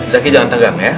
zaky jangan tegang ya